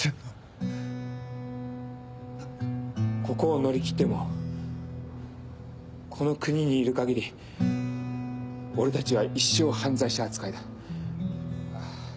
ここを乗り切ってもこの国にいる限り俺たちは一生犯罪者扱いだ。